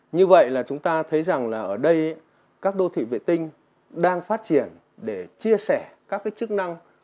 như vậy là chúng ta thấy rằng là ở đây các đô thị vệ tinh đang phát triển để chia sẻ các chức năng